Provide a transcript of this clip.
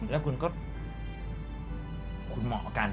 แล้วคุณก็คุณหมอกัน